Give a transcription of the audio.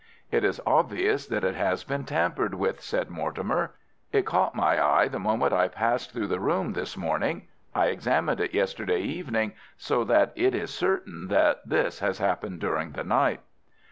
"It is obvious that it has been tampered with," said Mortimer. "It caught my eye the moment that I passed through the room this morning. I examined it yesterday evening, so that it is certain that this has happened during the night."